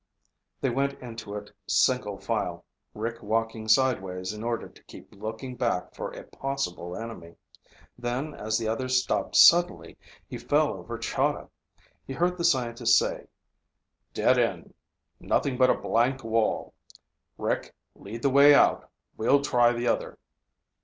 They went into it single file, Rick walking sideways in order to keep looking back for a possible enemy. Then, as the others stopped suddenly, he fell over Chahda. He heard the scientist say, "Dead end. Nothing but a blank wall. Rick, lead the way out. We'll try the other."